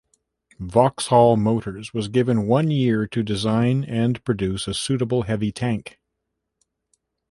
Vauxhall Motors was given one year to design and produce a suitable heavy tank.